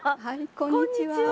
こんにちは。